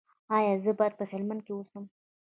ایا زه باید په هلمند کې اوسم؟